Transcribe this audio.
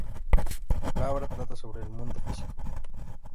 La obra trata sobre el mundo físico.